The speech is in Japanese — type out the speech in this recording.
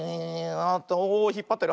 おっとおひっぱってる。